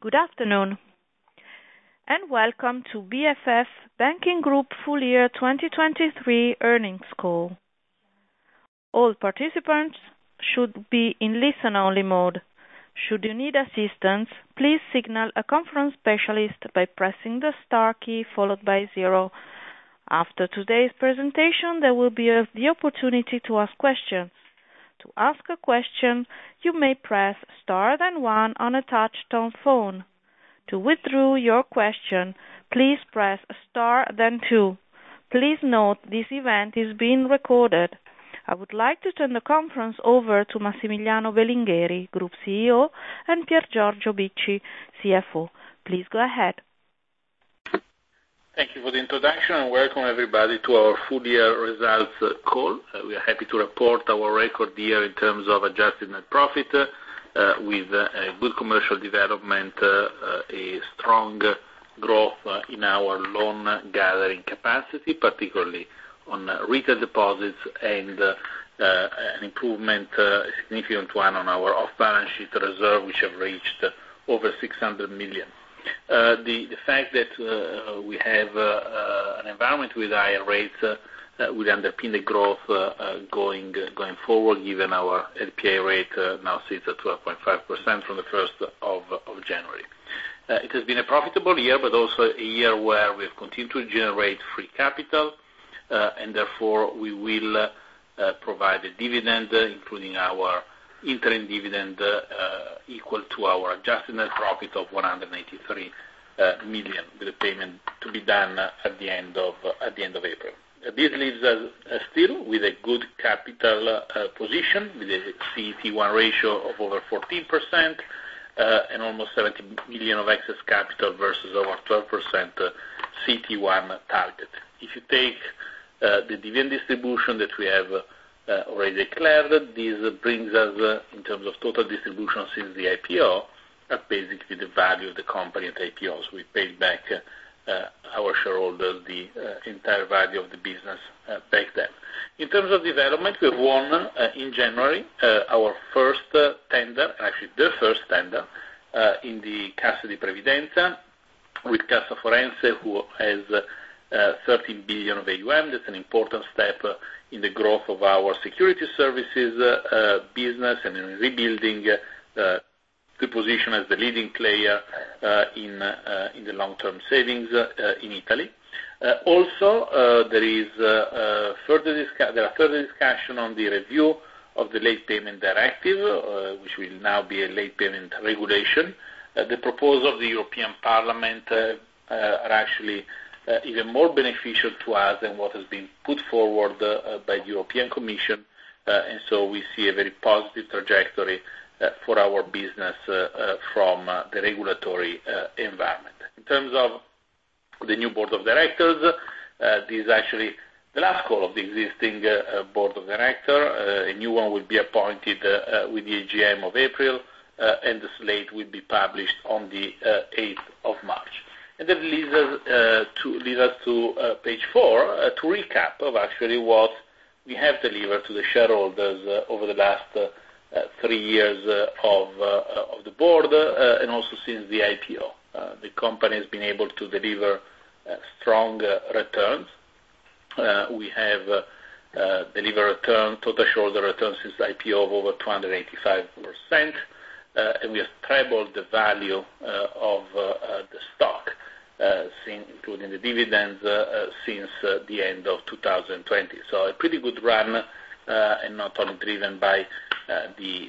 Good afternoon, and welcome to BFF Banking Group Full Year 2023 Earnings Call. All participants should be in listen-only mode. Should you need assistance, please signal a conference specialist by pressing the star key, followed by zero. After today's presentation, there will be the opportunity to ask questions. To ask a question, you may press star, then one on a touchtone phone. To withdraw your question, please press star, then two. Please note, this event is being recorded. I would like to turn the conference over to Massimiliano Belingheri, Group CEO, and Piergiorgio Bicci, CFO. Please go ahead. Thank you for the introduction, and welcome everybody to our full year results call. We are happy to report our record year in terms of adjusted net profit, with a good commercial development, a strong growth in our loan gathering capacity, particularly on retail deposits and an improvement, significant one on our off-balance sheet reserve, which have reached over 600 million. The fact that we have an environment with higher rates will underpin the growth going forward, given our LPI rate now sits at 12.5% from the 1st of January. It has been a profitable year, but also a year where we have continued to generate free capital, and therefore, we will provide a dividend, including our interim dividend, equal to our adjusted net profit of 183 million, with the payment to be done at the end of April. This leaves us still with a good capital position, with a CET1 ratio of over 14%, and almost 17 million of excess capital versus our 12% CET1 target. If you take the dividend distribution that we have already declared, this brings us, in terms of total distribution since the IPO, basically the value of the company at IPO. So we paid back our shareholder the entire value of the business back then. In terms of development, we won in January our first tender, actually the first tender, in the Cassa di Previdenza, with Cassa Forense, who has 13 billion of AUM. That's an important step in the growth of our security services business, and in rebuilding good position as the leading player in the long-term savings in Italy. Also, there are further discussion on the review of the Late Payment Directive, which will now be a late payment regulation. The proposal of the European Parliament are actually even more beneficial to us than what has been put forward by the European Commission, and so we see a very positive trajectory for our business from the regulatory environment. In terms of the new Board of Directors, this is actually the last call of the existing Board of Director. A new one will be appointed with the AGM of April, and the slate will be published on the 8th of March. That leads us to page four, to recap of actually what we have delivered to the shareholders over the last three years of the board, and also since the IPO. The company has been able to deliver strong returns. We have delivered return, total shareholder returns since IPO of over 285%, and we have tripled the value of the stock since including the dividends since the end of 2020. So a pretty good run, and not only driven by the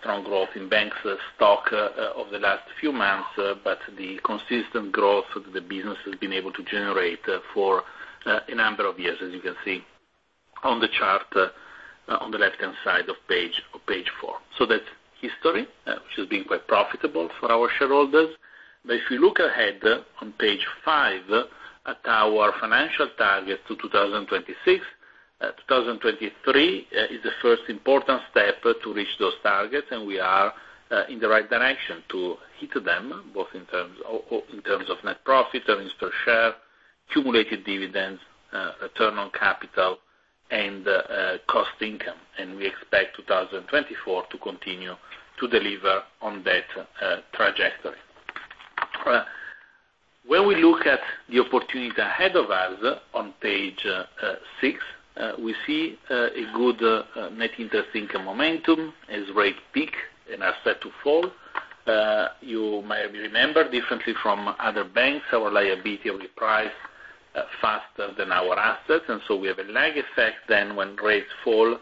strong growth in the bank's stock over the last few months, but the consistent growth that the business has been able to generate for a number of years, as you can see on the chart on the left-hand side of page four. So that's history, which has been quite profitable for our shareholders. But if you look ahead on page five, at our financial targets to 2026, 2023 is the first important step to reach those targets, and we are in the right direction to hit them, both in terms of net profit, earnings per share, cumulative dividends, return on capital, and cost income. We expect 2024 to continue to deliver on that trajectory. When we look at the opportunity ahead of us on page six, we see a good net interest income momentum as rates peak and are set to fall. You might remember, differently from other banks, our liability reprice faster than our assets, and so we have a lag effect then when rates fall.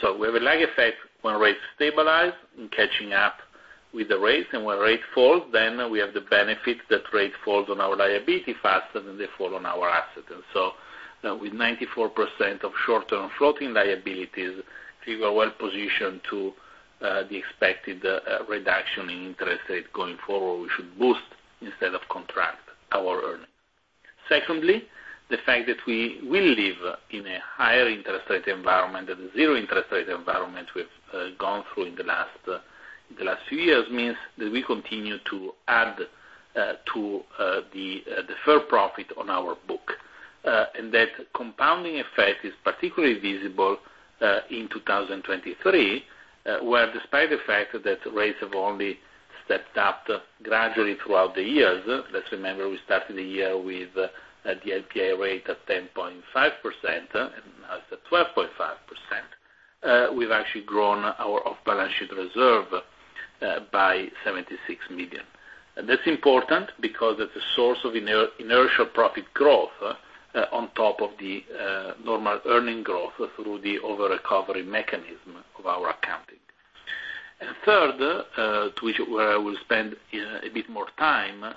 So we have a lag effect when rates stabilize in catching up with the rates, and when rates fall, then we have the benefit that rate falls on our liability faster than they fall on our assets. And so with 94% of short-term floating liabilities, we are well positioned to the expected reduction in interest rate going forward. We should boost instead of contract our earnings. Secondly, the fact that we will live in a higher interest rate environment than the zero interest rate environment we've gone through in the last few years means that we continue to add to the fair profit on our book and that compounding effect is particularly visible in 2023, where despite the fact that rates have only stepped up gradually throughout the years, let's remember, we started the year with the LPI rate at 10.5%, and now it's at 12.5%, we've actually grown our off-balance sheet reserve by 76 million. And that's important because it's a source of inertia profit growth on top of the normal earning growth through the over-recovery mechanism of our accounting. And third, to which where I will spend a bit more time,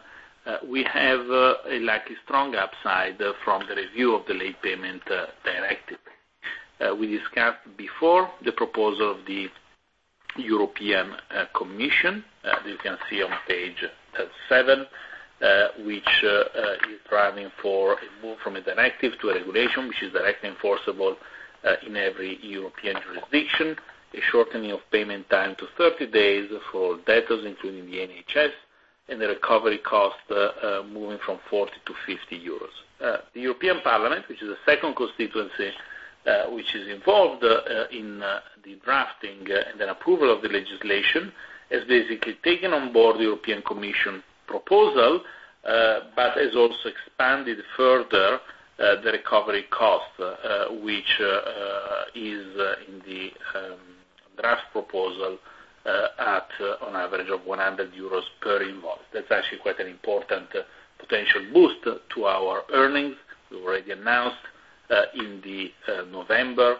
we have a likely strong upside from the review of the Late Payment Directive. We discussed before the proposal of the European Commission, as you can see on page seven, which is driving for a move from a directive to a regulation, which is directly enforceable in every European jurisdiction. A shortening of payment time to 30 days for debtors, including the NHS, and the Recovery Cost moving from 40-50 euros. The European Parliament, which is a second constituency, which is involved in the drafting and then approval of the legislation, has basically taken on board the European Commission proposal, but has also expanded further the Recovery Cost, which is in the draft proposal at on average of 100 euros per invoice. That's actually quite an important potential boost to our earnings. We already announced in the November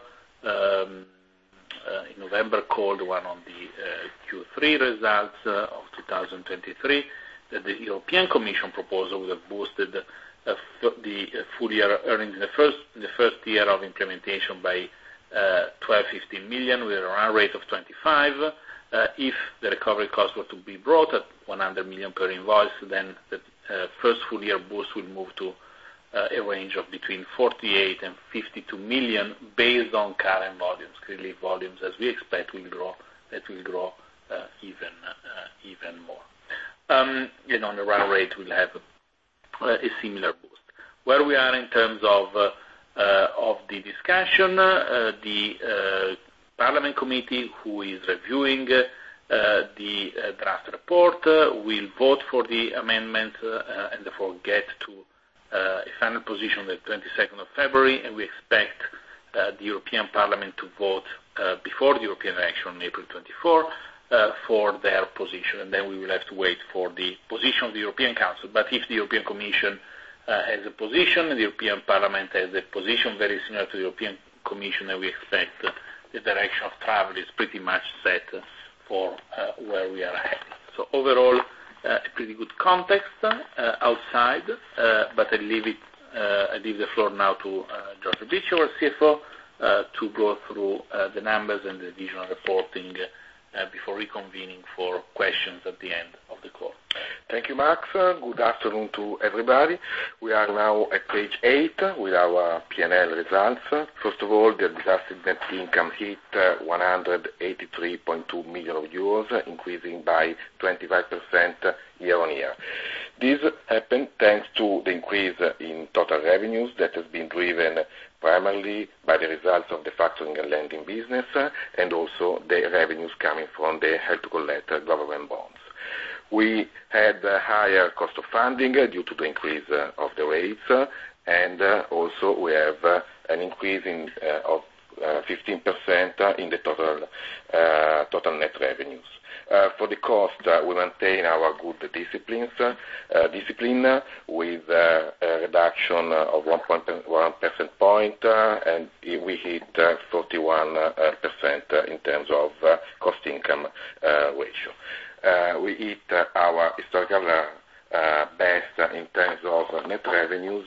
call, one on the Q3 results of 2023, that the European Commission proposal would have boosted the full year earnings in the first, the first year of implementation by 12 million- 15 million, with a run rate of 25 million. If the recovery costs were to be brought at 100 million per invoice, then the first full year boost will move to a range of between 48 million and 52 million, based on current volumes. Clearly, volumes, as we expect, will grow, that will grow even more. And on the run rate, we'll have a similar boost. Where we are in terms of of the discussion, the Parliament committee, who is reviewing the draft report, will vote for the amendment and therefore, get to a final position on the 22nd of February. And we expect the European Parliament to vote before the European election on April 24th for their position, and then we will have to wait for the position of the European Council. But if the European Commission has a position, and the European Parliament has a position very similar to the European Commission, then we expect the direction of travel is pretty much set for where we are headed. So overall, a pretty good context outside, but I leave it, I leave the floor now to Piergiorgio Bicci, our CFO, to go through the numbers and the additional reporting before reconvening for questions at the end of the call. Thank you, Max. Good afternoon to everybody. We are now at page eight with our P&L results. First of all, the adjusted net income hit 183.2 million euros, increasing by 25% year-on-year. This happened thanks to the increase in total revenues that has been driven primarily by the results of the factoring and lending business, and also the revenues coming from the hold to collect government bonds. We had a higher cost of funding due to the increase of the rates, and also we have an increase of 15% in the total net revenues. For the cost, we maintain our good discipline, with a reduction of 1.1 percentage points, and we hit 31% in terms of cost income ratio. We hit our historical best in terms of net revenues,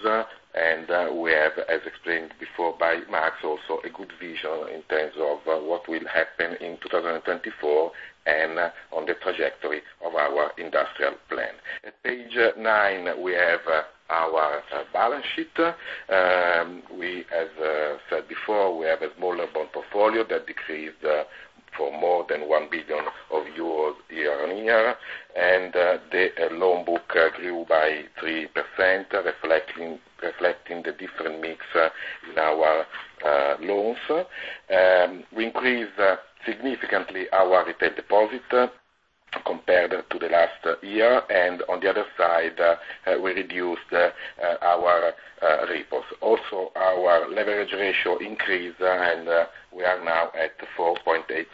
and we have, as explained before by Max, also a good vision in terms of what will happen in 2024, and on the trajectory of our industrial plan. At page nine, we have our balance sheet. We, as said before, we have a smaller bond portfolio that decreased for more than 1 billion euros year-on-year, and the loan book grew by 3%, reflecting the different mix in our loans. We increased significantly our retail deposit compared to the last year, and on the other side, we reduced our repos. Also, our leverage ratio increased, and we are now at 4.88%.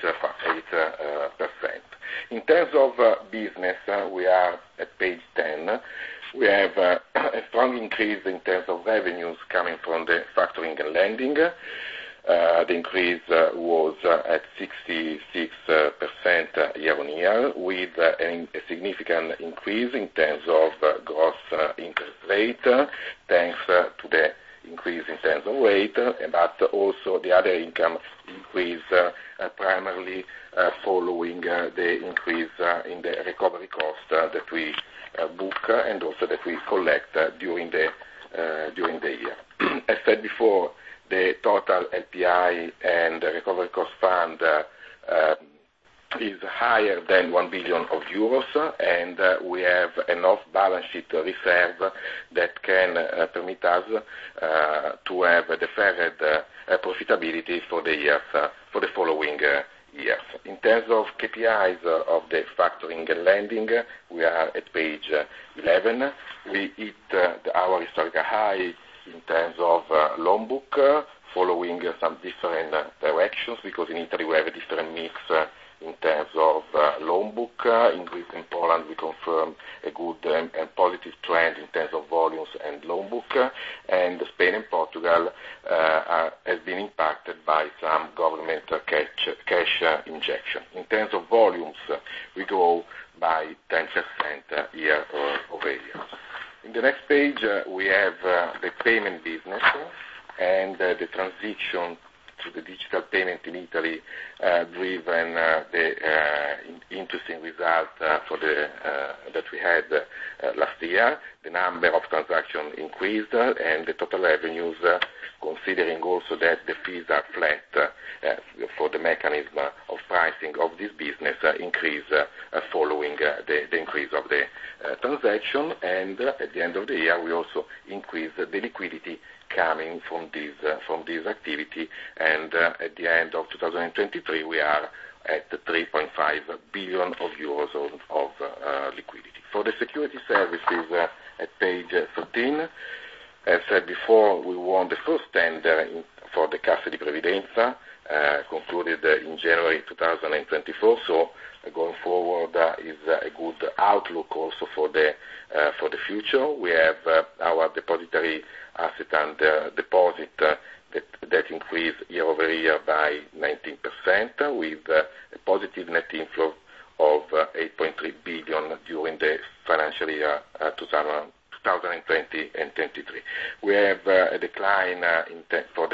In terms of business, we are at page 10. We have a strong increase in terms of revenues coming from the factoring and lending. The increase was at 66% year-on-year, with a significant increase in terms of gross interest rate, thanks to the increase in terms of rate, but also the other income increase, primarily following the increase in the recovery cost that we book, and also that we collect during the year. As said before, the total LPI and recovery cost fund is higher than 1 billion euros, and we have enough balance sheet reserve that can permit us to have a deferred profitability for the years for the following years. In terms of KPIs of the factoring and lending, we are at page 11. We hit our historical high in terms of loan book, following some different directions, because in Italy, we have a different mix in terms of loan book. In Greece and Poland, we confirm a good and positive trend in terms of volumes and loan book. Spain and Portugal have been impacted by some government cash injection. In terms of volumes, we grow by 10% year-over-year. In the next page, we have the payment business, and the transition to the digital payment in Italy driving an interesting result that we had last year. The number of transactions increased, and the total revenues, considering also that the fees are flat, for the mechanism of pricing of this business, increase following the increase of the transaction. At the end of the year, we also increased the liquidity coming from this activity, and at the end of 2023, we are at 3.5 billion euros of liquidity. For the security services, at page 13, as said before, we won the first tender for the Cassa di Previdenza, concluded in January 2024. So going forward, is a good outlook also for the future. We have our depository asset and deposit that increased year-over-year by 19%, with a positive net inflow of 8.3 billion during the financial year 2023. We have a decline in terms of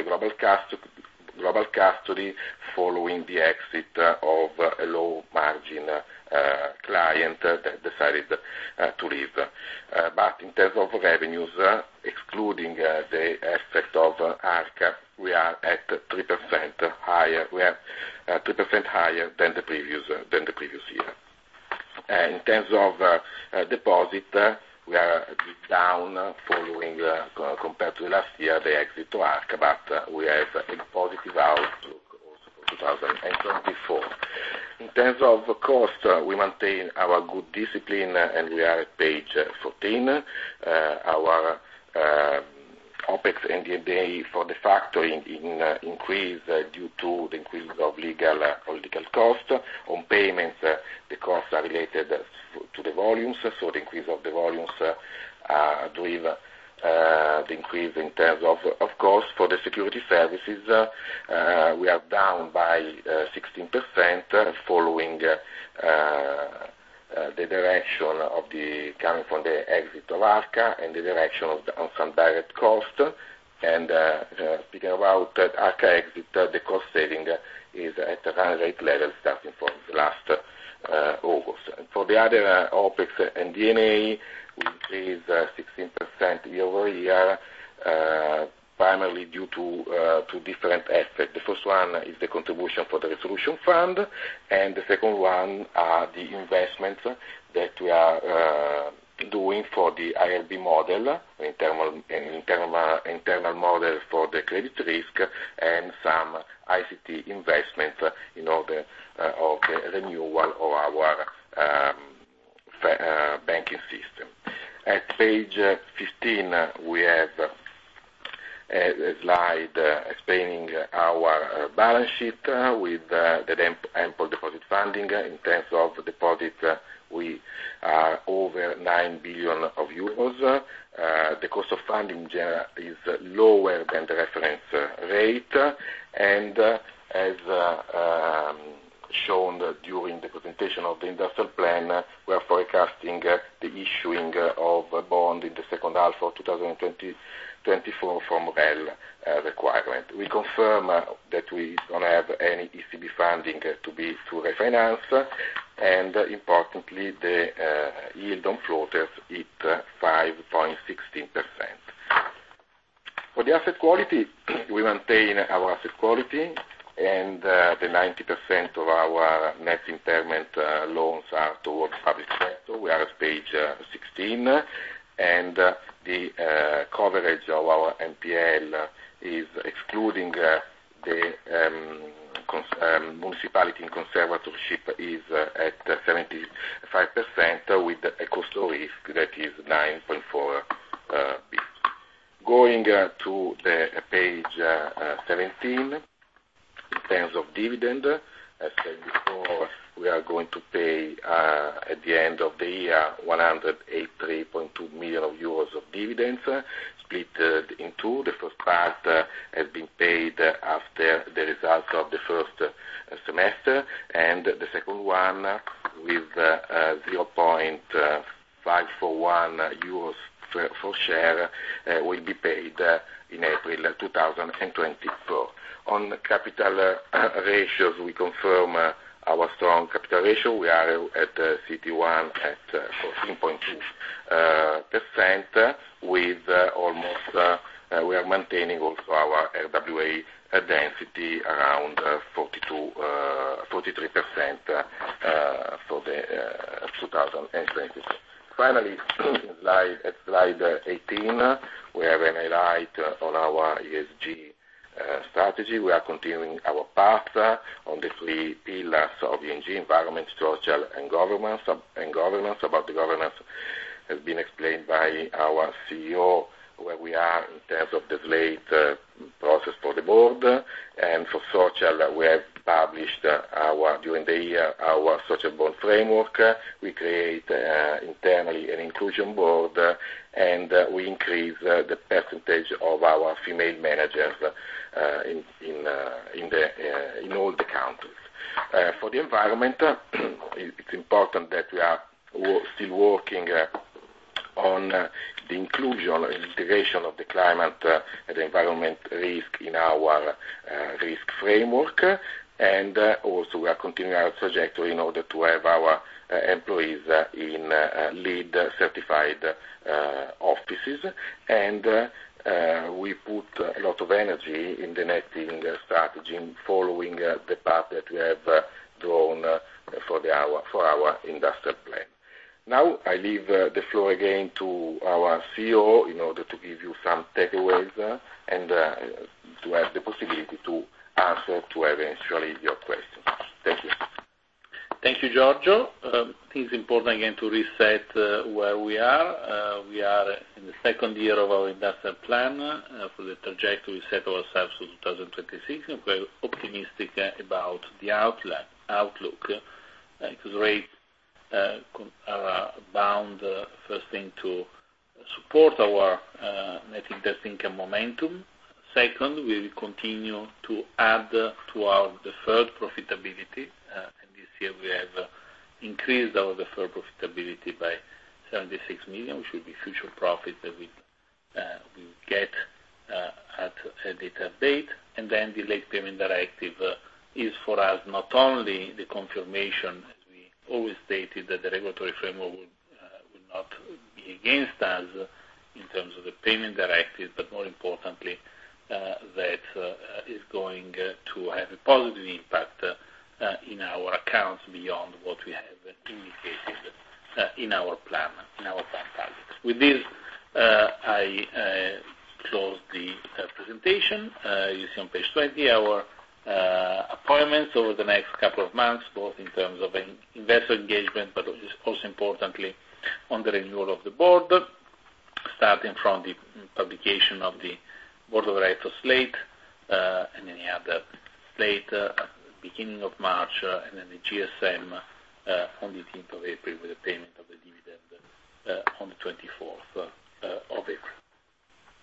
global custody following the exit of a low margin client that decided to leave. But in terms of revenues, excluding the effect of Arca, we are at 3% higher. We are at 3% higher than the previous year. In terms of deposit, we are down following compared to last year, the exit to Arca, but we have a positive outlook also for 2024. In terms of cost, we maintain our good discipline, and we are at page 14. Our OpEx and D&A for the factoring increased, due to the increase of legal, political cost. On payments, the costs are related to the volumes, so the increase of the volumes drives the increase in terms of cost. For the security services, we are down by 16%, following the reduction coming from the exit of Arca, and the reduction on some direct cost. Speaking about Arca exit, the cost saving is at a high rate level, starting from last August. For the other OpEx and D&A, we increased 16% year-over-year, primarily due to two different aspects. The first one is the contribution for the resolution fund, and the second one are the investments that we are doing for the IRB model, internal model for the credit risk and some ICT investment in order of the renewal of our banking system. At page 15, we have a slide explaining our balance sheet with the ample deposit funding. In terms of deposit, we are over 9 billion euros. The cost of funding is lower than the reference rate, and, as shown during the presentation of the industrial plan, we are forecasting the issuing of a bond in the second half of 2024 from MREL requirement. We confirm that we don't have any ECB funding to be to refinance, and importantly, the yield on floaters hit 5.16%. For the asset quality, we maintain our asset quality, and the 90% of our net impairment loans are towards public sector. We are at page 16, and the coverage of our NPL is excluding the consolidated municipality and conservatorship is at 75%, with a cost risk that is 9.4 billion. Going to the page 17. In terms of dividend, as said before, we are going to pay at the end of the year, 108.3 million euros of dividends, split in two. The first part has been paid after the results of the first semester, and the second one with 0.541 euros per share will be paid in April 2024. On the capital ratios, we confirm our strong capital ratio. We are at CET1 at 14.2%, with almost we are maintaining also our RWA density around 42%-43% for 2020. Finally, slide 18, we have a highlight on our ESG strategy. We are continuing our path on the three pillars of ESG, environment, social, and governance, and governance. About the governance has been explained by our CEO, where we are in terms of the late process for the board. For social, we have published our, during the year, our social bond framework. We create internally an inclusion board, and we increase the percentage of our female managers in all the countries. For the environment, it's important that we are still working on the inclusion and integration of the climate and environment risk in our risk framework. Also, we are continuing our trajectory in order to have our employees in LEED certified offices. We put a lot of energy in the net zero strategy and following the path that we have drawn for our industrial plan. Now, I leave the floor again to our CEO in order to give you some takeaways, and to have the possibility to answer to eventually your questions. Thank you. Thank you, Giorgio. I think it's important again to reset where we are. We are in the second year of our industrial plan for the trajectory we set ourselves for 2026. We're optimistic about the outlook. Because rate environment first thing to support our net interest income momentum. Second, we will continue to add to our deferred profitability and this year we have increased our deferred profitability by 76 million, which will be future profit that we get at a later date. Then the Late Payment Directive is for us not only the confirmation, as we always stated, that the regulatory framework would not be against us in terms of the Late Payment Directive, but more importantly, that is going to have a positive impact in our accounts beyond what we have indicated in our plan, in our plan targets. With this, I close the presentation. You see on page 20, our appointments over the next couple of months, both in terms of investor engagement, but also importantly, on the renewal of the board, starting from the publication of the Board of Directors slate, and then the other slate at the beginning of March, and then the AGM on the 18th of April, with the payment of the dividend on the 24th of April.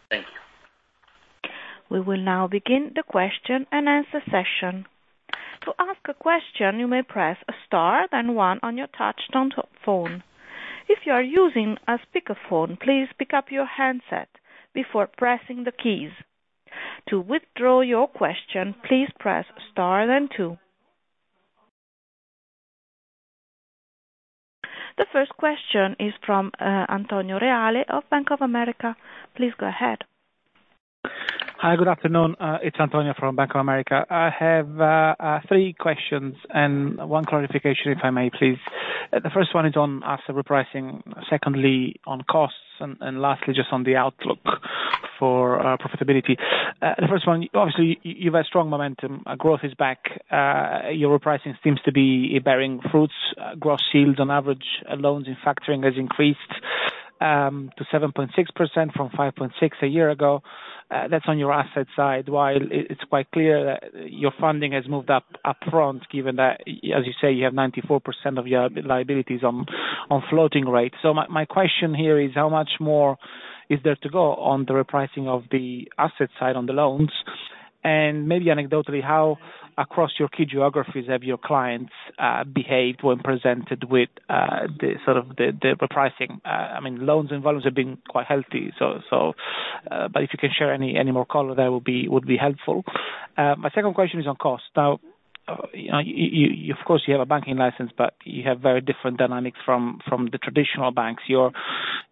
Thank you. We will now begin the question and answer session. To ask a question, you may press star, then one on your touch tone phone. If you are using a speakerphone, please pick up your handset before pressing the keys. To withdraw your question, please press star then two. The first question is from Antonio Reale of Bank of America. Please go ahead. Hi, good afternoon, it's Antonio from Bank of America. I have three questions and one clarification, if I may please. The first one is on asset repricing, secondly, on costs, and lastly, just on the outlook for profitability. The first one, obviously, you've a strong momentum. Growth is back. Your repricing seems to be bearing fruits, gross yields on average, loans and factoring has increased to 7.6% from 5.6% a year ago. That's on your asset side, while it's quite clear that your funding has moved up, upfront, given that, as you say, you have 94% of your liabilities on floating rates. So my question here is: How much more is there to go on the repricing of the asset side on the loans? Maybe anecdotally, how across your key geographies, have your clients behaved when presented with the sort of repricing? I mean, loans and volumes have been quite healthy, so but if you can share any more color, that would be helpful. My second question is on cost. Now, you of course you have a banking license, but you have very different dynamics from the traditional banks. You're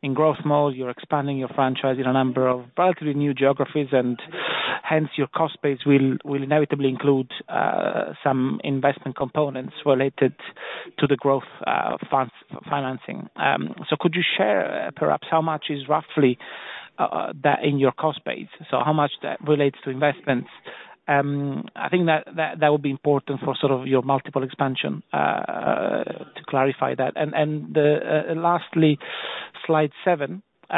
in growth mode, you're expanding your franchise in a number of relatively new geographies, and hence, your cost base will inevitably include some investment components related to the growth, funds, financing. So could you share perhaps how much is roughly that in your cost base? So how much that relates to investments? I think that would be important for sort of your multiple expansion to clarify that. And lastly, slide seven. You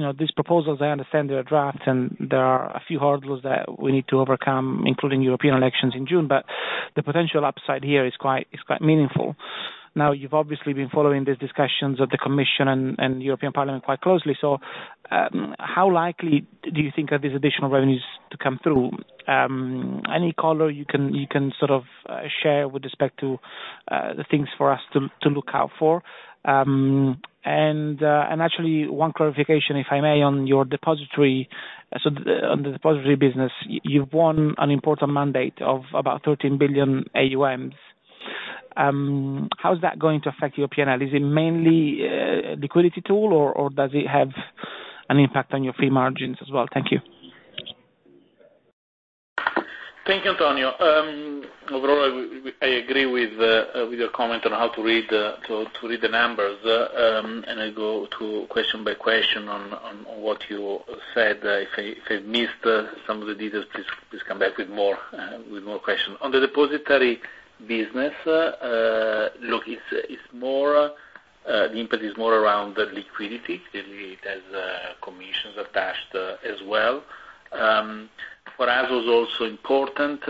know, these proposals, I understand they're drafts, and there are a few hurdles that we need to overcome, including European elections in June, but the potential upside here is quite meaningful. Now, you've obviously been following these discussions with the Commission and the European Parliament quite closely, so... How likely do you think are these additional revenues to come through? Any color you can sort of share with respect to the things for us to look out for. And actually, one clarification, if I may, on your depository. So on the depository business, you've won an important mandate of about 13 billion AUMs. How is that going to affect your P&L? Is it mainly, liquidity tool, or does it have an impact on your fee margins as well? Thank you. Thank you, Antonio. Overall, I agree with your comment on how to read the numbers. And I go through question by question on what you said. If I missed some of the details, please come back with more questions. On the depository business, look, it's more the impact is more around the liquidity. Clearly, it has commissions attached as well. For us, it was also important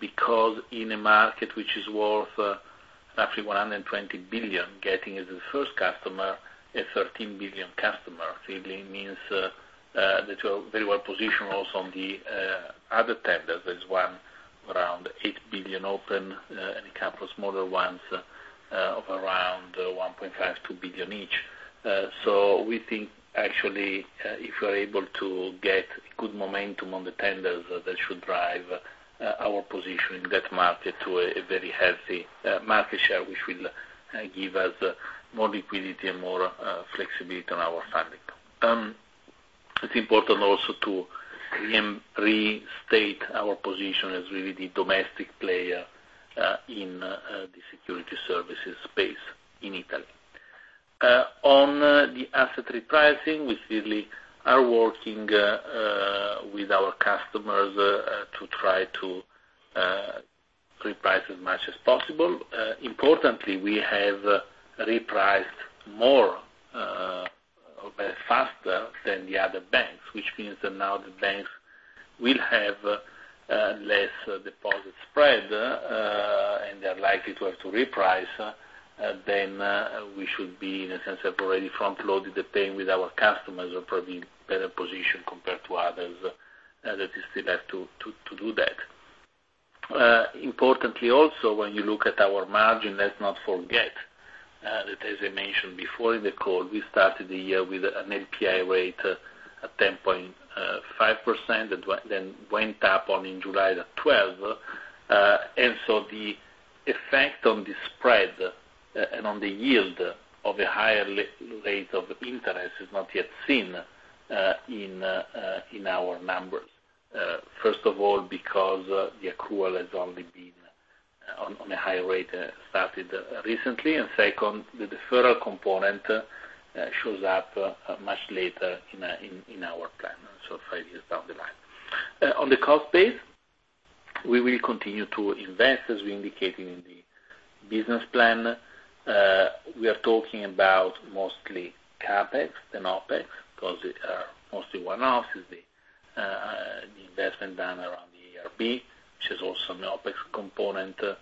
because in a market which is worth actually 120 billion, getting as a first customer, a 13 billion customer, clearly means that we're very well positioned also on the other tenders. There's one around 8 billion open, and a couple of smaller ones of around 1.5 billion, 2 billion each. So we think actually, if we're able to get good momentum on the tenders, that should drive our position in that market to a very healthy market share, which will give us more liquidity and more flexibility on our funding. It's important also to restate our position as really the domestic player in the security services space in Italy. On the asset repricing, we clearly are working with our customers to try to reprice as much as possible. Importantly, we have repriced more faster than the other banks, which means that now the banks will have less deposit spread, and they are likely to have to reprice. Then, we should be, in a sense, have already front-loaded the pain with our customers, are probably in a better position compared to others that is still left to do that. Importantly, also, when you look at our margin, let's not forget that as I mentioned before in the call, we started the year with an LPI rate at 10.5%, that went up in July to 12%. And so the effect on the spread and on the yield of a higher rate of interest is not yet seen in our numbers. First of all, because the accrual has only been on a higher rate started recently. Second, the deferral component shows up much later in our plan, so five years down the line. On the cost base, we will continue to invest, as we indicated in the business plan. We are talking about mostly CapEx and OpEx, because mostly one-off is the investment done around the ARB, which is also an OpEx component. It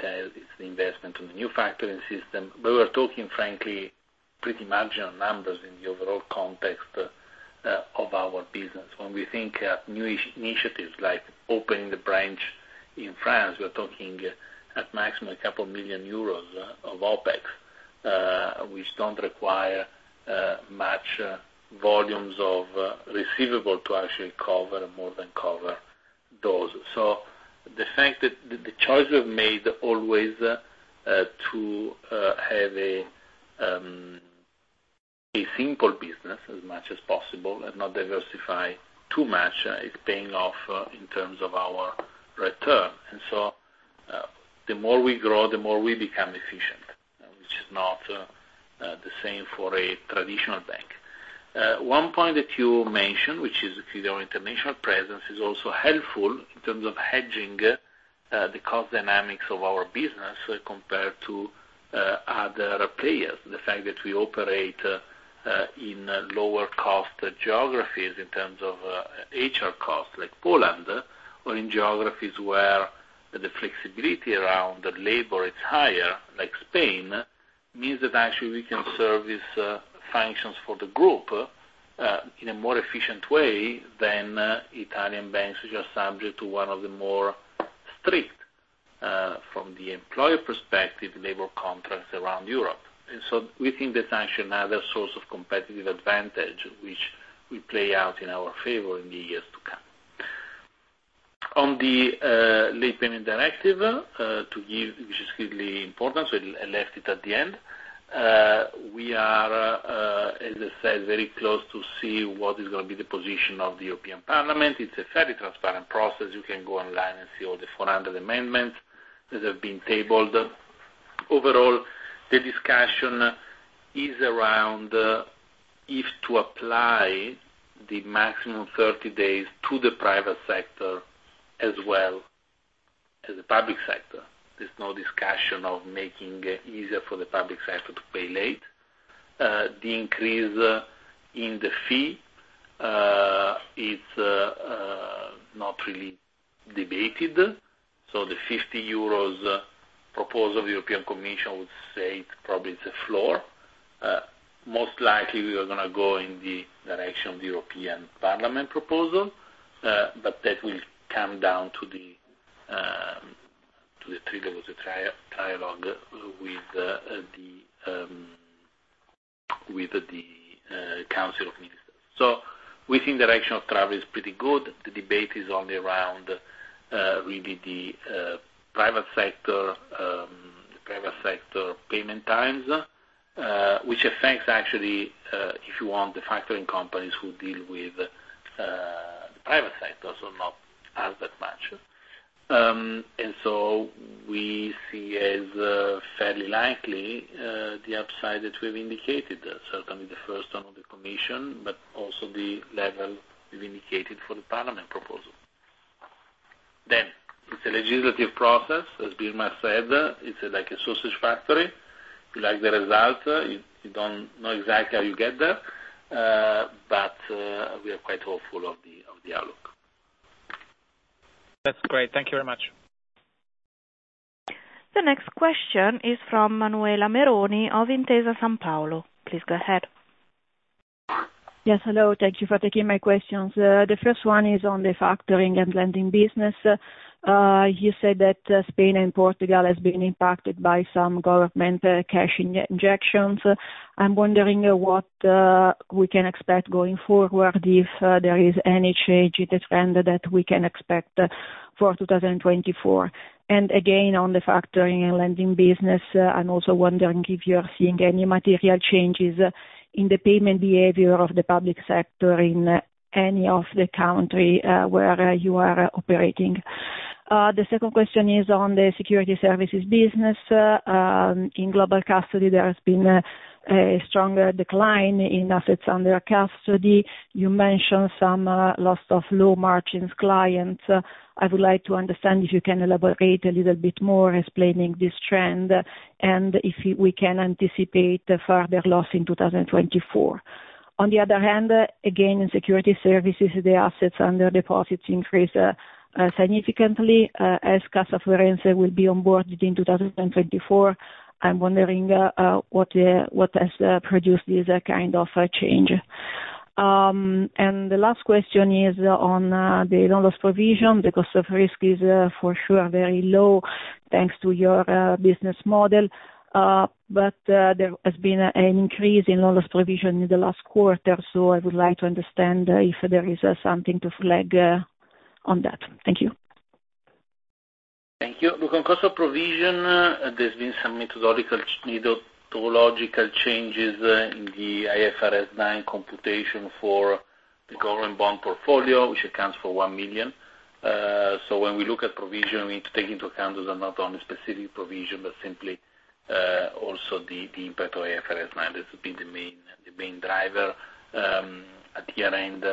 has, it's the investment on the new factoring system. We were talking, frankly, pretty marginal numbers in the overall context of our business. When we think new initiatives like opening the branch in France, we're talking at maximum 2 million euros of OpEx, which don't require much volumes of receivable to actually cover, more than cover those. So the fact that the choice we've made always to have a simple business as much as possible and not diversify too much is paying off in terms of our return. And so, the more we grow, the more we become efficient, which is not the same for a traditional bank. One point that you mentioned, which is clearly our international presence, is also helpful in terms of hedging the cost dynamics of our business compared to other players. The fact that we operate in lower cost geographies in terms of HR costs, like Poland, or in geographies where the flexibility around the labor is higher, like Spain, means that actually we can serve these functions for the group in a more efficient way than Italian banks, which are subject to one of the more strict, from the employer perspective, labor contracts around Europe. And so we think that's actually another source of competitive advantage, which will play out in our favor in the years to come. On the Late Payment Directive, to give, which is clearly important, so I left it at the end. We are, as I said, very close to see what is gonna be the position of the European Parliament. It's a very transparent process. You can go online and see all the 400 amendments that have been tabled. Overall, the discussion is around if to apply the maximum 30 days to the private sector as well as the public sector. There's no discussion of making it easier for the public sector to pay late. The increase in the fee is not really debated. So the 50 euros proposal, the European Commission would say probably it's a floor. Most likely, we are going to go in the direction of the European Parliament proposal, but that will come down to the trigger with the trilogue with the Council of Ministers. So we think direction of travel is pretty good. The debate is only around, really the private sector, the private sector payment times, which affects actually, if you want, the factoring companies who deal with the private sector, so not as that much. And so we see as fairly likely the upside that we've indicated, certainly the first one on the commission, but also the level we've indicated for the parliament proposal. Then it's a legislative process, as Bismarck said; it's like a sausage factory. You like the result, you don't know exactly how you get there, but we are quite hopeful of the outlook. That's great. Thank you very much. The next question is from Manuela Meroni of Intesa Sanpaolo. Please go ahead. Yes, hello, thank you for taking my questions. The first one is on the factoring and lending business. You said that Spain and Portugal has been impacted by some government cash injections. I'm wondering what we can expect going forward, if there is any change in the trend that we can expect for 2024. And again, on the factoring and lending business, I'm also wondering if you are seeing any material changes in the payment behavior of the public sector in any of the country where you are operating. The second question is on the security services business. In Global Custody, there has been a stronger decline in assets under custody. You mentioned some loss of low margins clients. I would like to understand if you can elaborate a little bit more explaining this trend, and if we can anticipate a further loss in 2024. On the other hand, again, in securities services, the assets under deposits increased significantly, as Cassa Forense will be on board in 2024. I'm wondering, what has produced this kind of a change? And the last question is on the loss provision, because the risk is for sure very low, thanks to your business model. But there has been an increase in loss provision in the last quarter, so I would like to understand if there is something to flag on that. Thank you. Thank you. Look, on cost of provision, there's been some methodological changes in the IFRS 9 computation for the government bond portfolio, which accounts for 1 million. So when we look at provision, we need to take into account not only specific provision, but simply also the impact of IFRS 9. This has been the main driver. At the end,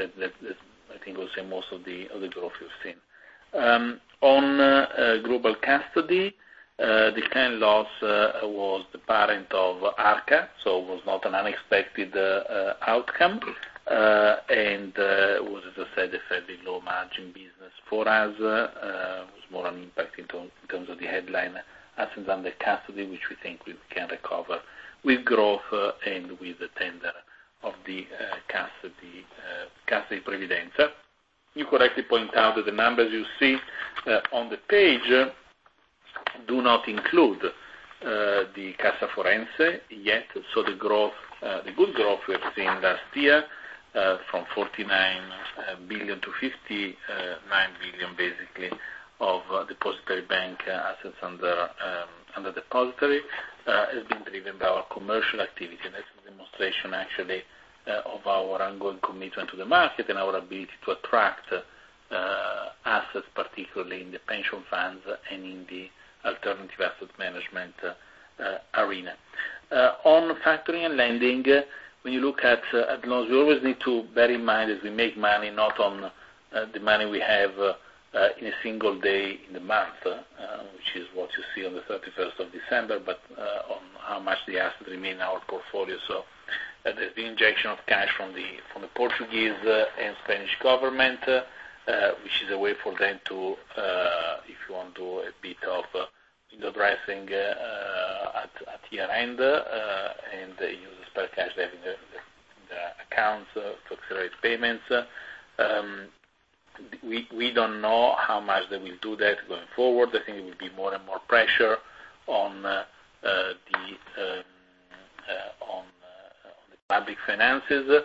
I think we'll say most of the growth we've seen. On Global Custody, the kind of loss was the parent of Arca, so it was not an unexpected outcome. And, as I said, was a fairly low margin business for us, was more an impact in terms, in terms of the headline assets under custody, which we think we can recover with growth and with the tender of the Cassa di Previdenza. You correctly point out that the numbers you see on the page do not include the Cassa Forense yet. So the good growth we have seen last year from 49 billion-59 billion, basically, of the depository bank assets under depository has been driven by our commercial activity. And that's a demonstration, actually, of our ongoing commitment to the market and our ability to attract assets, particularly in the pension funds and in the alternative asset management arena. On factoring and lending, when you look at loans, you always need to bear in mind as we make money, not on the money we have in a single day in the month, which is what you see on the 31st of December, but on how much the assets remain in our portfolio. So the injection of cash from the Portuguese and Spanish government, which is a way for them to, if you want, do a bit of window dressing, at year-end, and use spare cash in the accounts to accelerate payments. We don't know how much they will do that going forward. I think it will be more and more pressure on the public finances.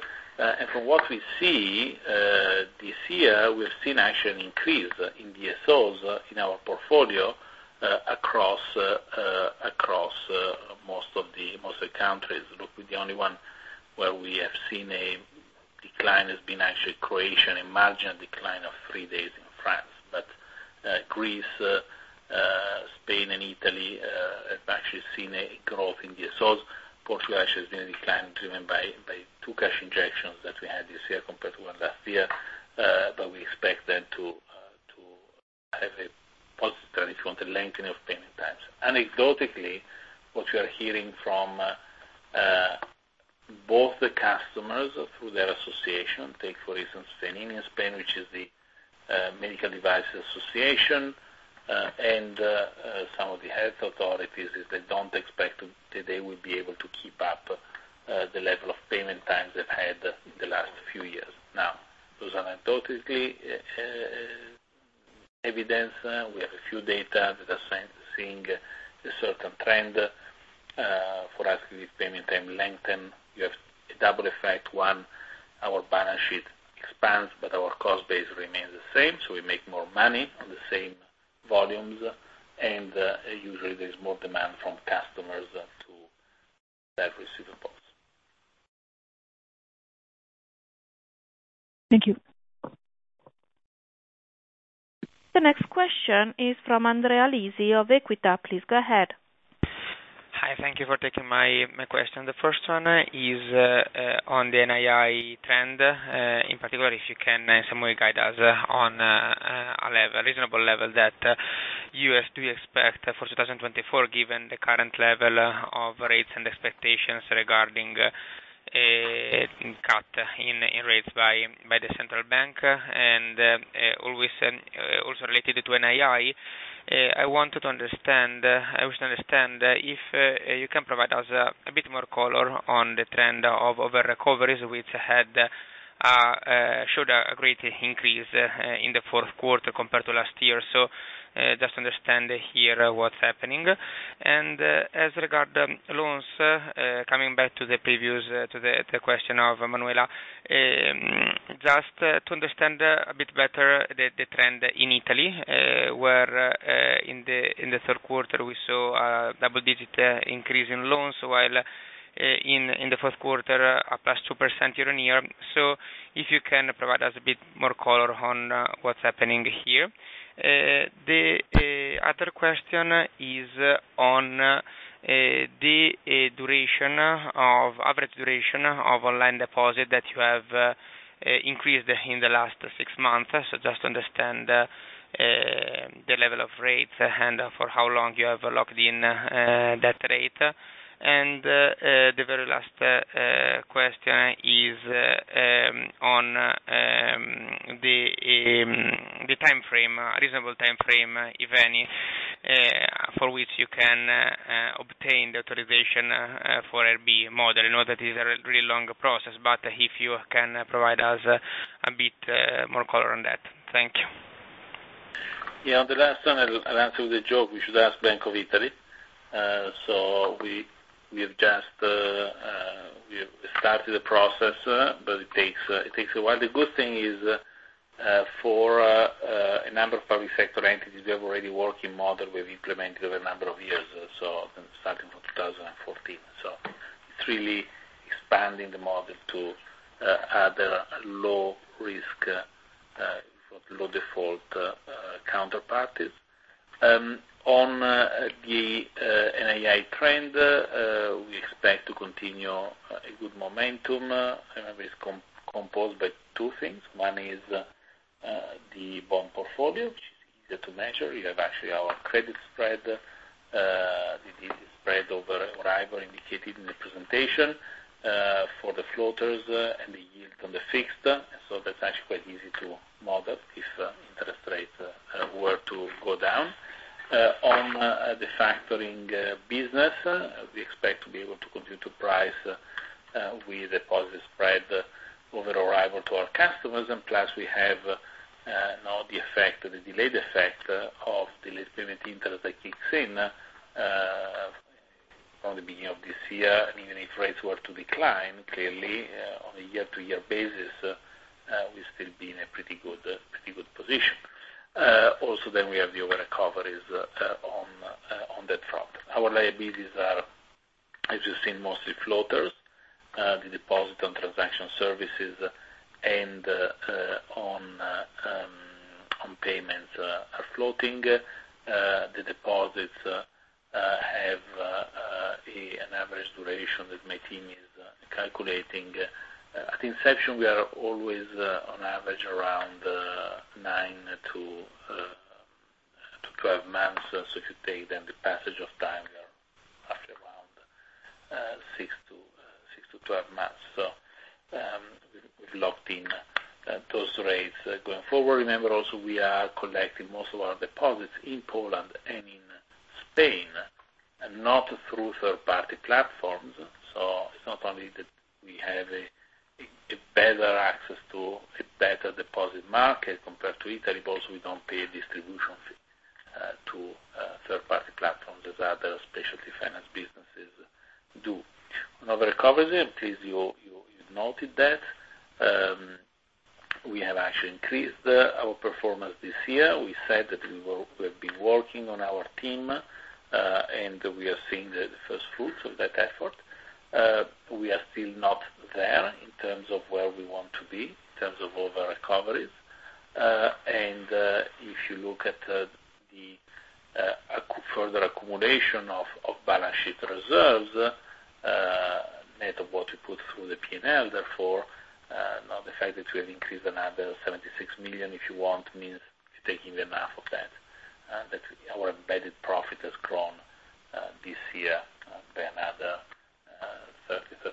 From what we see, this year, we've seen actually an increase in DSOs in our portfolio across most of the countries. Look, the only one where we have seen a decline has been actually Croatia, and marginal decline of three days in France. But Greece, Spain and Italy have actually seen a growth in DSOs. Portugal has actually seen a decline driven by two cash injections that we had this year compared to last year, but we expect them to... positive, and if you want a lengthening of payment times. Anecdotally, what you are hearing from both the customers through their association, take, for instance, in Spain, which is the Medical Device Association, and some of the health authorities, is they don't expect that they will be able to keep up the level of payment times they've had the last few years. Now, those anecdotal evidence, we have a few data that are seeing a certain trend for us, with payment time lengthen, you have a double effect. One, our balance sheet expands, but our cost base remains the same, so we make more money on the same volumes, and usually there's more demand from customers to their receivables. Thank you. The next question is from Andrea Lisi of Equita. Please go ahead. Hi, thank you for taking my, my question. The first one is on the NII trend, in particular, if you can somehow guide us on a reasonable level that you have to expect for 2024, given the current level of rates and expectations regarding a cut in rates by the central bank. And always, also related to NII, I wanted to understand, I wish to understand, if you can provide us a bit more color on the trend of over-recoveries, which had showed a great increase in the fourth quarter compared to last year. So, just understand here what's happening. As regards the loans, coming back to the previous question of Manuela, just to understand a bit better the trend in Italy, where in the third quarter we saw a double-digit increase in loans, while in the fourth quarter a +2% year-on-year. So if you can provide us a bit more color on what's happening here. The other question is on the average duration of online deposit that you have increased in the last six months. So just understand the level of rates and for how long you have locked in that rate. The very last question is on the timeframe, a reasonable timeframe, if any, for which you can obtain the authorization for IRB model. I know that is a really long process, but if you can provide us a bit more color on that. Thank you. Yeah, the last one, I'll answer with a joke. We should ask Bank of Italy. So we have just started the process, but it takes a while. The good thing is, for a number of public sector entities, we have already working model we've implemented over a number of years, so starting from 2014. So it's really expanding the model to other low risk, low default counterparties. On the NII trend, we expect to continue a good momentum. It's composed by two things. One is the bond portfolio, which is easier to measure. We have actually our credit spread, this spread over Euribor indicated in the presentation, for the floaters and the yield on the fixed. So that's actually quite easy to model if interest rates were to go down. On the factoring business, we expect to be able to continue to price with a positive spread over Euribor to our customers. And plus, we have now the effect, the delayed effect, of the late payment interest that kicks in from the beginning of this year. And even if rates were to decline, clearly on a year-to-year basis, we'd still be in a pretty good, pretty good position. Also, then we have the over-recoveries on that front. Our liabilities are, as you've seen, mostly floaters. The deposits on transaction services and on payments are floating. The deposits have an average duration that my team is calculating. At inception, we are always on average around 9-12 months. So if you take then the passage of time, we are actually around 6-12 months. So we've locked in those rates going forward. Remember also, we are collecting most of our deposits in Poland and in Spain, and not through third-party platforms. So it's not only that we have a better access to a better deposit market compared to Italy, but also we don't pay a distribution fee to third-party platforms, as other specialty finance businesses do. Another recovery, I'm pleased you noted that, we have actually increased our performance this year. We've been working on our team, and we are seeing the first fruits of that effort. We are still not there in terms of where we want to be, in terms of over-recoveries. And, if you look at, the further accumulation of balance sheet reserves, net of what we put through the P&L, therefore, now the fact that we have increased another 76 million, if you want, means taking the math of that, that our embedded profit has grown, this year by another 35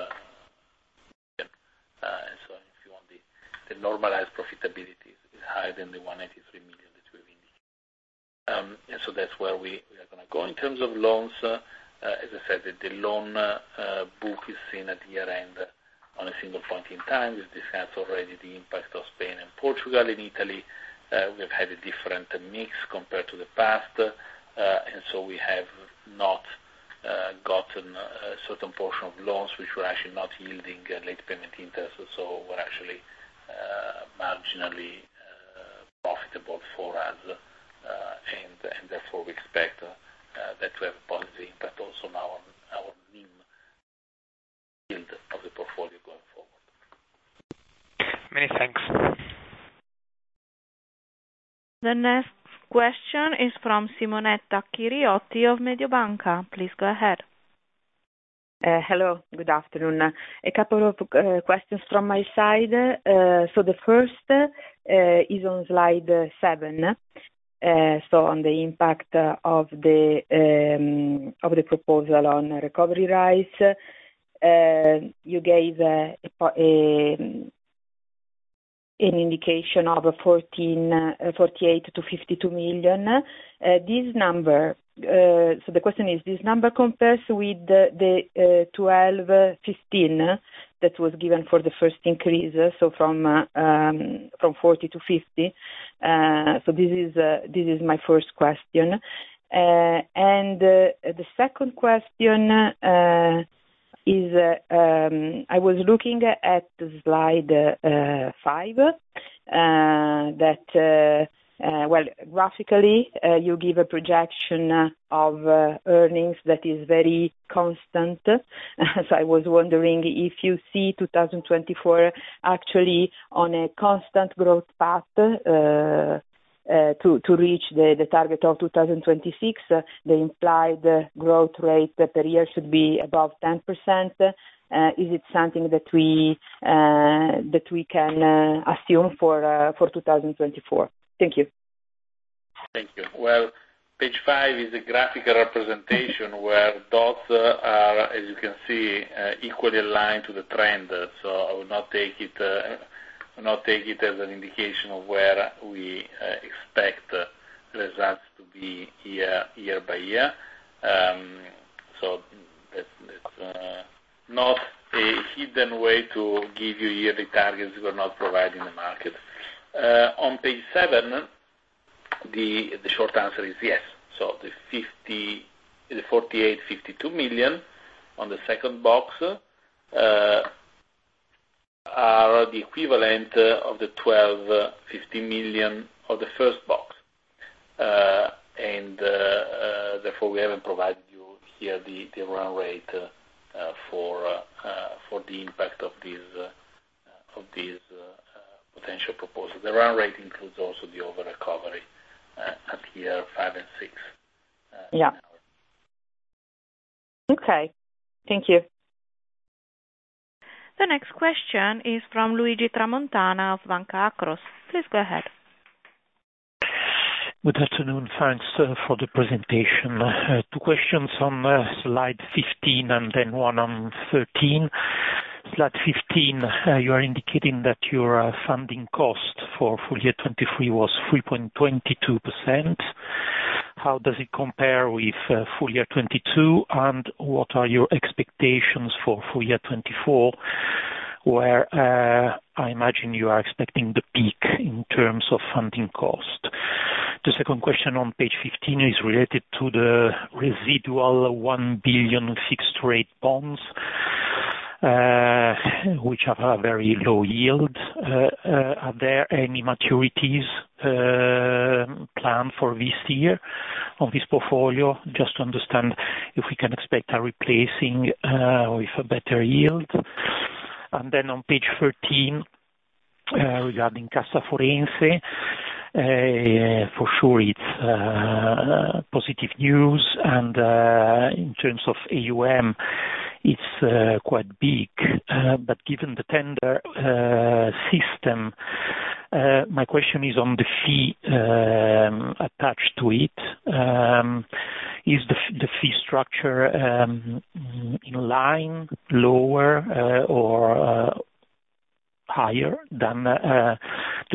million. And so if you want the, the normalized profitability is higher than the 183 million that we've been. And so that's where we are gonna go. In terms of loans, as I said, that the loan book is seen at year-end on a single point in time. This has already the impact of Spain and Portugal in Italy. We've had a different mix compared to the past, and so we have not gotten a certain portion of loans which were actually not yielding late payment interest, so were actually marginally profitable for us. And therefore, we expect that to have a positive impact also on our mean yield of the portfolio going forward. Many thanks. The next question is from Simonetta Chiriotti of Mediobanca. Please go ahead. Hello, good afternoon. A couple of questions from my side. So the first is on slide seven. So on the impact of the proposal on recovery rise, you gave an indication of 48 million-52 million. This number, so the question is, this number compares with the 12 million-15 million that was given for the first increase, so from 40-50. So this is my first question. And the second question is, I was looking at slide five that, well, graphically, you give a projection of earnings that is very constant. So I was wondering if you see 2024 actually on a constant growth path to reach the target of 2026, the implied growth rate that the year should be above 10%. Is it something that we can assume for 2024? Thank you. Thank you. Well, page five is a graphic representation where dots are, as you can see, equally aligned to the trend. So I would not take it, not take it as an indication of where we expect the results to be year, year by year. So that's not a hidden way to give you yearly targets we're not providing the market. On page seven, the short answer is yes. So the 50... the 48 million-52 million on the second box are the equivalent of the 12.5 million of the first box. And therefore, we haven't provided you here the run rate for the impact of these potential proposals. The run rate includes also the Over-Recovery at year five and six. Yeah. Okay, thank you. The next question is from Luigi Tramontana of Banca Akros. Please go ahead. Good afternoon, thanks for the presentation. Two questions on slide 15 and then one on 13. Slide 15, you are indicating that your funding cost for full year 2023 was 3.22%. How does it compare with full year 2022? And what are your expectations for full year 2024, where I imagine you are expecting the peak in terms of funding cost? The second question on page 15 is related to the residual 1 billion fixed rate bonds, which have a very low yield. Are there any maturities planned for this year on this portfolio? Just to understand if we can expect a replacing with a better yield. And then on page 13, regarding Cassa Forense, for sure, it's positive news, and in terms of AUM, it's quite big. But given the tender system, my question is on the fee attached to it. Is the fee structure in line, lower, or higher than the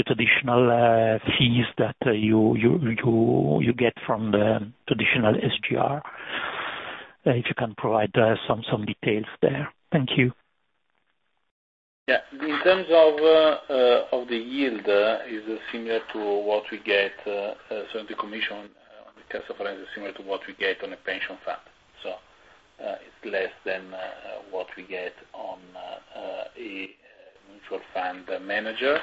traditional fees that you get from the traditional SGR? If you can provide some details there. Thank you. Yeah. In terms of the yield is similar to what we get, so the commission on the customer is similar to what we get on a pension fund. So it's less than what we get on a mutual fund manager.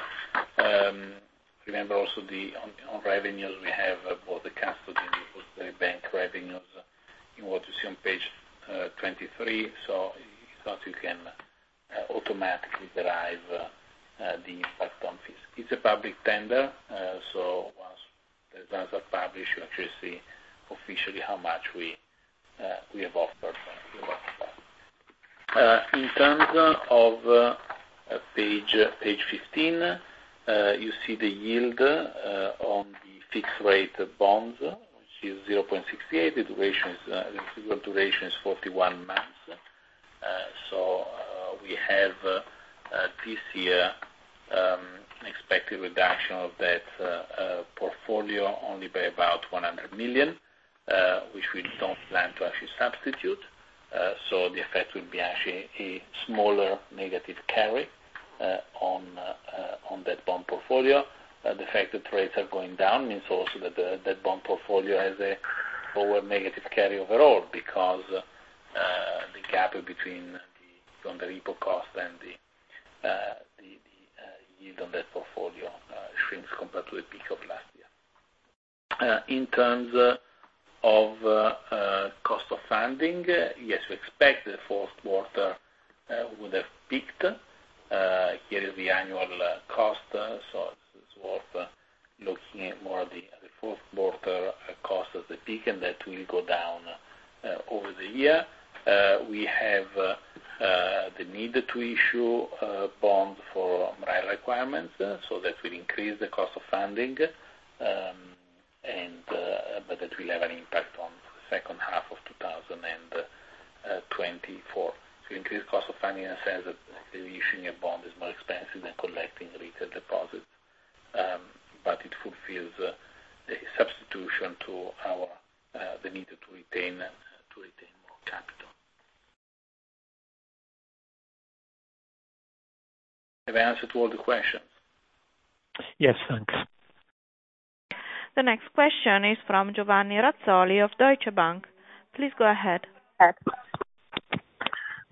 Remember also the revenues we have both the custody and the bank revenues in what you see on page 23, so you can automatically derive the impact on fees. It's a public tender, so one-... As soon as I publish, you actually see officially how much we have offered. In terms of page 15, you see the yield on the fixed rate bonds, which is 0.68%. The duration is 41 months. So, we have this year expected reduction of that portfolio only by about 100 million, which we don't plan to actually substitute. So the effect will be actually a smaller negative carry on that bond portfolio. The fact that rates are going down means also that that bond portfolio has a lower negative carry overall, because the gap between the from the repo cost and the yield on that portfolio shrinks compared to the peak of last year. In terms of cost of funding, yes, we expect the fourth quarter would have peaked. Here is the annual cost, so it's worth looking at more the fourth quarter cost of the peak, and that will go down over the year. We have the need to issue bonds for requirements, so that will increase the cost of funding. But that will have an impact on the second half of 2024. To increase cost of funding says that issuing a bond is more expensive than collecting retail deposits, but it fulfills the substitution to our the need to retain, to retain more capital. Have I answered all the questions? Yes, thanks. The next question is from Giovanni Razzoli of Deutsche Bank. Please go ahead.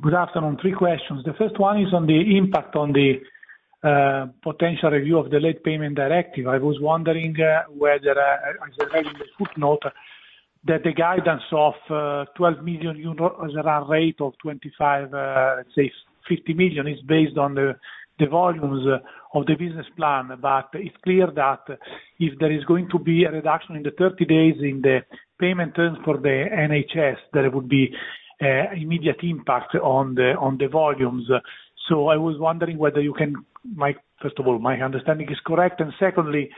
Good afternoon. Three questions. The first one is on the impact on the potential review of the Late Payment Directive. I was wondering whether, as a very good note, that the guidance of 12 million euro as a run rate of 25 million, say 50 million, is based on the volumes of the business plan. But it's clear that if there is going to be a reduction in the 30 days in the payment terms for the NHS, there would be immediate impact on the volumes. So I was wondering whether you can -- my, first of all, my understanding is correct. And secondly,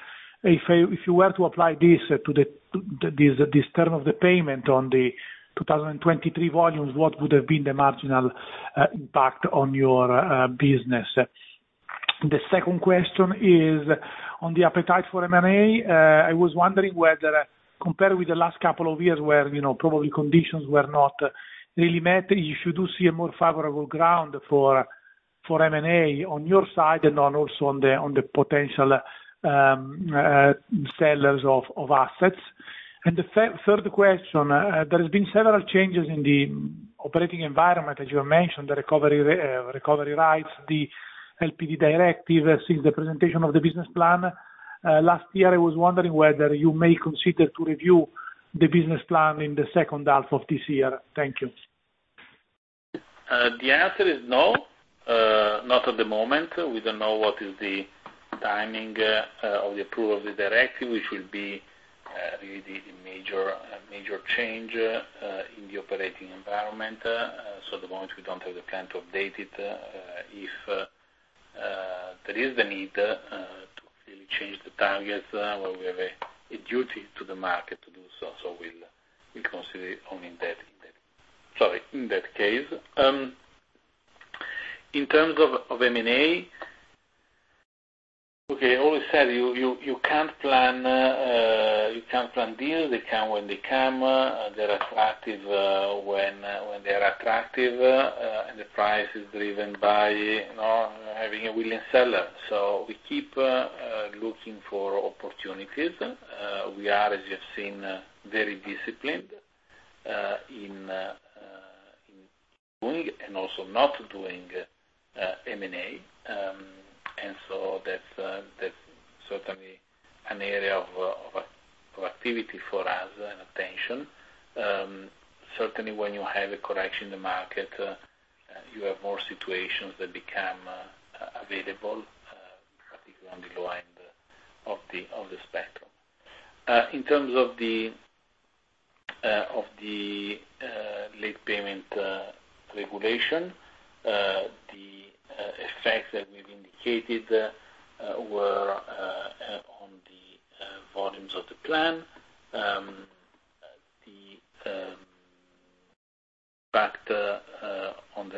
if you were to apply this to this term of the payment on the 2023 volumes, what would have been the marginal impact on your business? The second question is on the appetite for M&A. I was wondering whether compared with the last couple of years, where, you know, probably conditions were not really met, if you do see a more favorable ground for, for M&A on your side and on, also on the, on the potential, sellers of, of assets. And the third question, there has been several changes in the operating environment, as you have mentioned, the recovery, recovery rights, the LPD directive since the presentation of the business plan. Last year, I was wondering whether you may consider to review the business plan in the second half of this year. Thank you. The answer is no, not at the moment. We don't know what is the timing of the approval of the directive, which will be really the major, major change in the operating environment. So at the moment, we don't have the plan to update it. If there is the need to really change the targets, well, we have a duty to the market to do so. So we'll consider only in that case. In terms of M&A, okay, always said, you can't plan deals. They come when they come. They're attractive when they are attractive, and the price is driven by, you know, having a willing seller. So we keep looking for opportunities. We are, as you've seen, very disciplined in doing and also not doing M&A. So that's certainly an area of activity for us and attention. Certainly when you have a correction in the market, you have more situations that become available, particularly on the low end of the late payment regulation, the effects that we've indicated were on the volumes of the plan. The factor on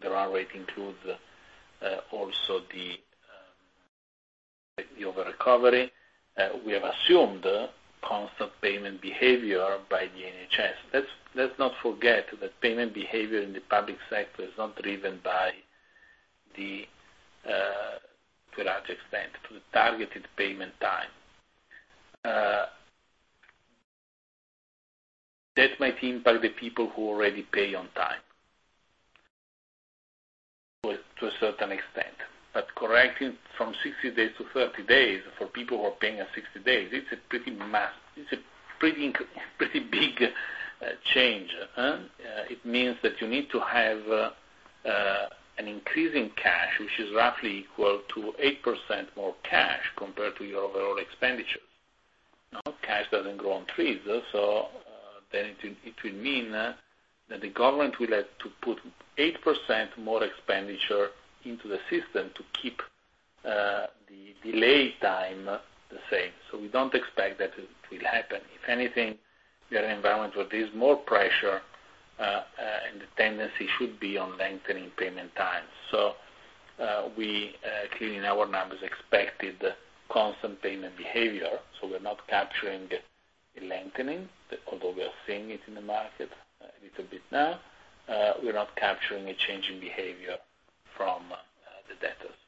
the run rate includes also the over recovery. We have assumed constant payment behavior by the NHS. Let's not forget that payment behavior in the public sector is not driven by, to a large extent, the targeted payment time. That might impact the people who already pay on time to a certain extent, but correcting from 60 days-30 days for people who are paying at 60 days, it's a pretty big change. It means that you need to have an increase in cash, which is roughly equal to 8% more cash compared to your overall expenditures. Now, cash doesn't grow on trees, so then it will mean that the government will have to put 8% more expenditure into the system to keep the delay time the same. So we don't expect that it will happen. If anything, we are in an environment where there's more pressure, and the tendency should be on lengthening payment times. So, we clearly in our numbers expected constant payment behavior, so we're not capturing the lengthening, although we are seeing it in the market a little bit now. We're not capturing a change in behavior from the debtors.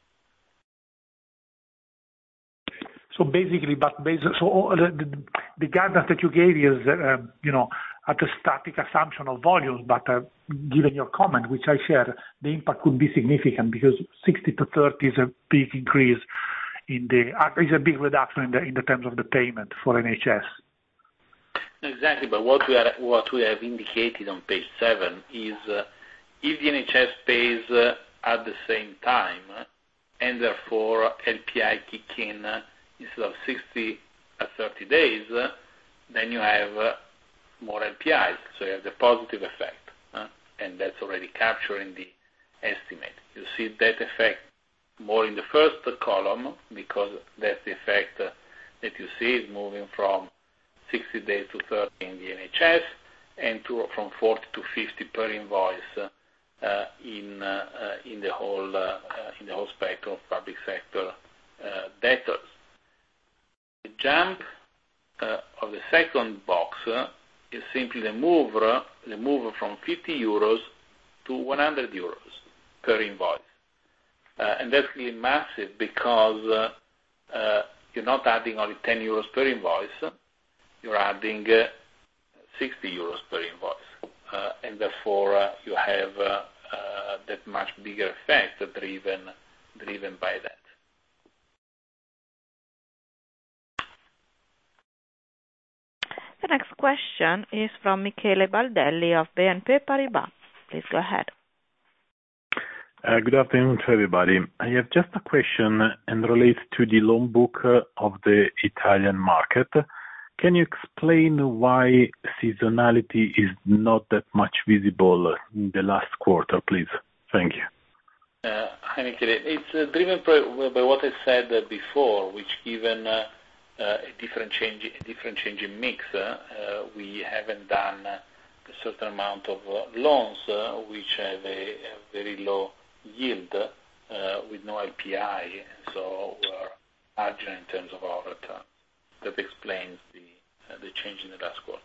So basically, the guidance that you gave is, you know, at a static assumption of volumes, but given your comment, which I share, the impact could be significant because 60-30 is a big increase in the, is a big reduction in the terms of the payment for NHS. Exactly. But what we are, what we have indicated on page seven is, if the NHS pays at the same time, and therefore NPI kick in instead of 60 or 30 days, then you have more NPI, so you have the positive effect, and that's already capturing the estimate. You see that effect more in the first column because that effect that you see is moving from 60 days to 30 in the NHS and to from 40-50 per invoice, in the whole spectrum of public sector debtors. The jump of the second box is simply the move, the move from 50-100 euros per invoice. And that's massive because, you're not adding only 10 euros per invoice, you're adding 60 euros per invoice. And therefore, you have that much bigger effect driven by that. The next question is from Michele Baldelli of BNP Paribas. Please go ahead. Good afternoon to everybody. I have just a question in relation to the loan book of the Italian market. Can you explain why seasonality is not that much visible in the last quarter, please? Thank you. Hi, Michele. It's driven by what I said before, which, given a different change in mix, we haven't done a certain amount of loans, which have a very low yield with no LPI, so we're urgent in terms of our return. That explains the change in the last quarter.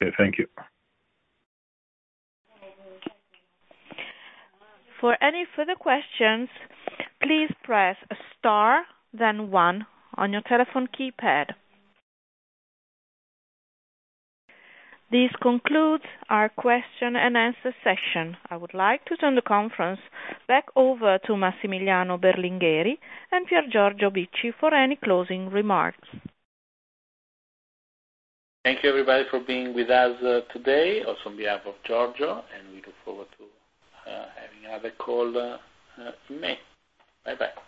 Okay, thank you. For any further questions, please press star then one on your telephone keypad. This concludes our question and answer session. I would like to turn the conference back over to Massimiliano Belingheri and Piergiorgio Bicci for any closing remarks. Thank you, everybody, for being with us today. Also on behalf of Giorgio, and we look forward to having another call in May. Bye-bye.